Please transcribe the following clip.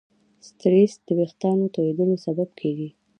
سټرېس د وېښتیانو تویېدلو سبب کېږي.